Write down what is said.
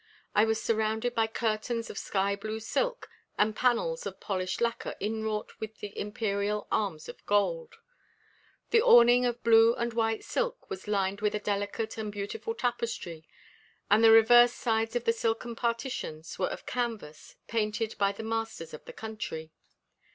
I was surrounded by curtains of sky blue silk and panels of polished lacquer inwrought with the Imperial arms in gold. The awning of blue and white silk was lined with a delicate and beautiful tapestry, and the reverse sides of the silken partitions were of canvas painted by the masters of the country.